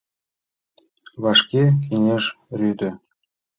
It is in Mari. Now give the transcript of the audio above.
Вашке кеҥеж рӱдӧ.